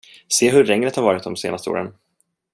Se hur regnet har varit de senaste åren.